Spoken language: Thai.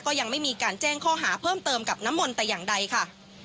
ก็ยังไม่มีการแจ้งข้อหาเพิ่มเติมกับน้ำมนต์แต่อย่างใดค่ะ